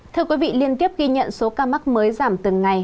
thưa quý vị liên tiếp ghi nhận số ca mắc mới giảm từng ngày